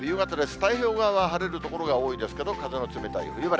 太平洋側は晴れる所が多いですけど、風の冷たい冬晴れ。